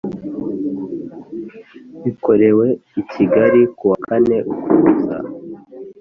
Bikorewe i Kigali kuwa kane Ukuboza